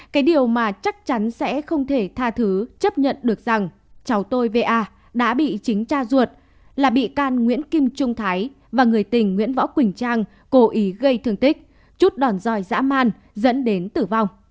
cái điều mà chắc chắn sẽ không thể tha thứ chấp nhận được rằng cháu tôi va đã bị chính cha ruột là bị can nguyễn kim trung thái và người tình nguyễn võ quỳnh trang cố ý gây thương tích chút đòn dòi dã man dẫn đến tử vong